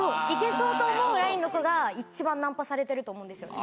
行けそうと思うラインの子が一番ナンパされてると思うんです。